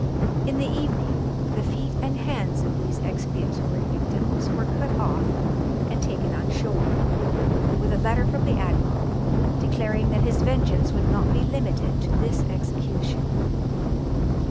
In the evening the feet and hands of these expiatory victims were cut off and taken on shore, with a letter from the admiral, declaring that his vengeance would not be limited to this execution.